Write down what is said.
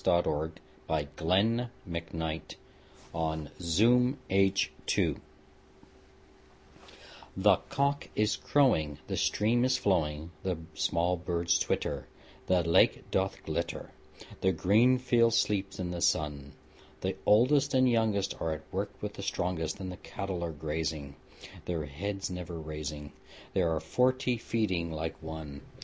William Wordsworth Written in March THE cock is crowing, The stream is flowing, The small birds twitter, The lake doth glitter The green field sleeps in the sun; The oldest and youngest Are at work with the strongest; The cattle are grazing, Their heads never raising; There are forty feeding like one!